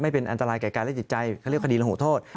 เป็นอันตรายแก่กายและจิตใจเขาเรียกคดีระหูโทษ